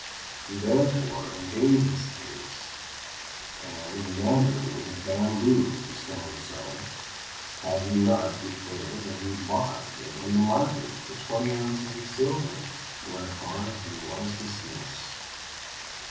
He therefore gained his case, and the mandarin would have bambooed the stone seller, had he not declared that he bought it in the market for twenty ounces of silver, whereupon he was dismissed.